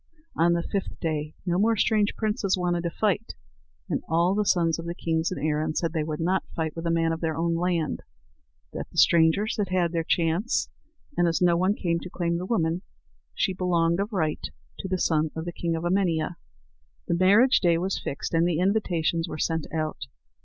On the fifth day no more strange princes wanted to fight; and all the sons of kings in Erin said they would not fight with a man of their own land, that the strangers had had their chance, and, as no others came to claim the woman, she belonged of right to the son of the king of Emania. The marriage day was fixed, and the invitations were sent out.